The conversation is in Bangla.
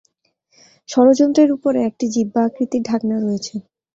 স্বরযন্ত্রের উপরে একটি জিহ্বা আকৃতির ঢাকনা রয়েছে।